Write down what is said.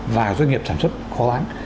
và doanh nghiệp sản xuất khó bán